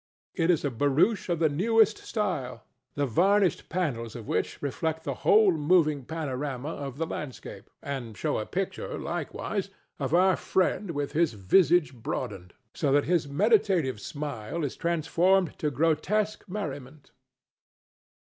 It is a barouche of the newest style, the varnished panels of which reflect the whole moving panorama of the landscape, and show a picture, likewise, of our friend with his visage broadened, so that his meditative smile is transformed to grotesque merriment.